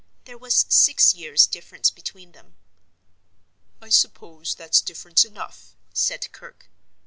There was six years' difference between them. "I suppose that's difference enough?" said Kirke.